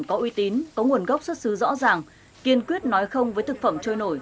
có uy tín có nguồn gốc xuất xứ rõ ràng kiên quyết nói không với thực phẩm trôi nổi